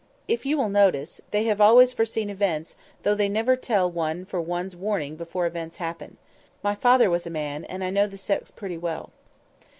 If you will notice, they have always foreseen events, though they never tell one for one's warning before the events happen. My father was a man, and I know the sex pretty well."